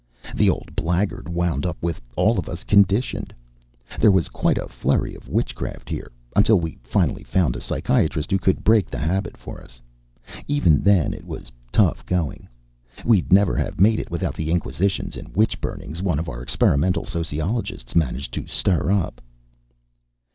The old blaggard wound up with all of us conditioned. There was quite a flurry of witchcraft here, until we finally found a psychiatrist who could break the habit for us. Even then, it was tough going. We'd never have made it without the inquisitions and witch burnings one of our experimental sociologists managed to stir up."